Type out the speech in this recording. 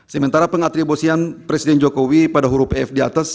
sementara pengatribusian presiden jokowi pada huruf ef di atas